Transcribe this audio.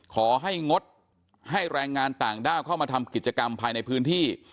ขอให้งดให้แรงงานต่างด้าวเข้ามาทำกิจกรรมภายในพื้นที่